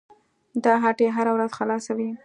دا هټۍ هره ورځ خلاصه وي.